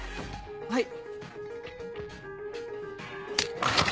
はい。